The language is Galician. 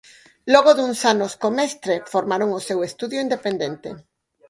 Logo duns anos co mestre, formaron o seu estudio independente.